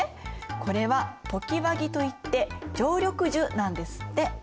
これは常盤木といって常緑樹なんですって。